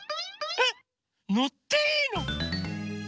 えっのっていいの？